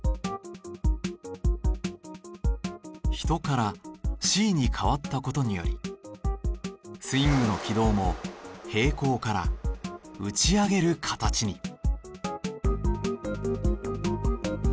「人」から「Ｃ」に変わった事によりスイングの軌道も平行から打ち上げる形に。